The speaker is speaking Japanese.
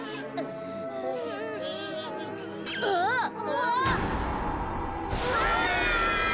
うわ！